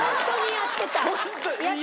やってた。